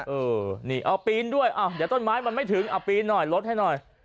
เออนี่เอาปีนด้วยอ้าวเดี๋ยวต้นไม้มันไม่ถึงเอาปีนหน่อยลดให้หน่อย